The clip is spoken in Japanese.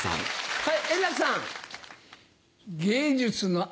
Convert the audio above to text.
はい。